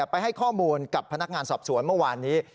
ไปให้ข้อมูลกับพนักงานสอบสวนเมื่อวานนี้